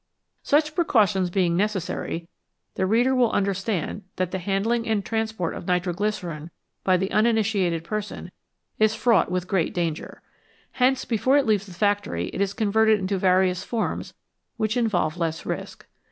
Such precautions being necessary, the reader will understand that the handling and transport of nitro glycerine by the uninitiated person is fraught with great danger. Hence before it leaves the factory it is converted into various forms which involve less risk.